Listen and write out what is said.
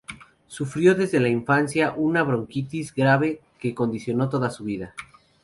Sufrió desde la infancia una bronquitis grave que condicionó toda su vida.